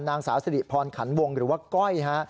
นางสาวสิริพรขันวงหรือว่าก้อยฮะ